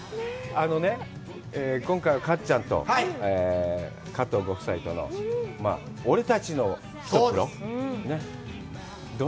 あのね、今回は、かっちゃんと加藤御夫妻との、「俺たちのひとっ風呂！」。